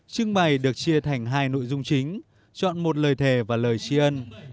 chương bài được chia thành hai nội dung chính chọn một lời thề và lời tri ân